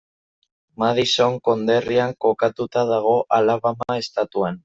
Madison konderrian kokatuta dago, Alabama estatuan.